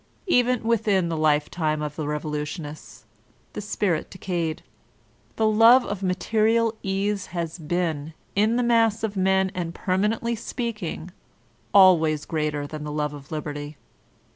Even within the lifetime of the revolutionists the spirit decayed, The love of material ease has been, in the mass of men and permanently speaking, always greater than the love of liberty.